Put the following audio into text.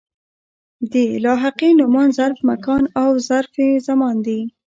د لاحقې نومان ظرف مکان او ظرف زمان دي.